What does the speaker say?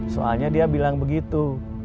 soalnya dia bilang begitu